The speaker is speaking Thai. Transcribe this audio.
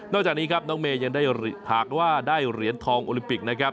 นอกจากนี้น้องเมย์ยังได้หากว่าได้เหรียญทองโอลิมปิก